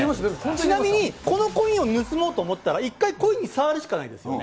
ちなみに、このコインを盗もうと思ったら、一回コインに触るしかないですよね。